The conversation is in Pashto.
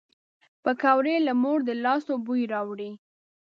پکورې له مور د لاسو بوی راوړي